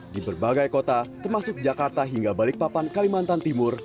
di berbagai kota termasuk jakarta hingga balikpapan kalimantan timur